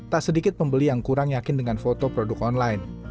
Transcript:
tak sedikit pembeli yang kurang yakin dengan foto produk online